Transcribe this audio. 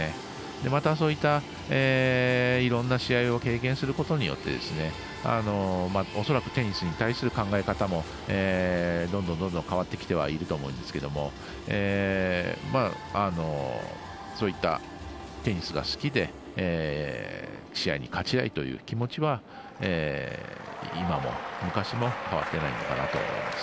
また、そういったいろんな試合を経験することによって恐らくテニスに対する考え方もどんどん、変わってきてはいると思うんですけどそういったテニスが好きで試合に勝ちたいという気持ちは今も、昔も変わっていないのかなと思います。